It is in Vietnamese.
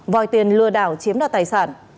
vòi tiền lừa đảo chiếm đoạt tài sản